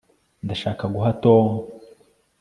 Ndashaka guha Tom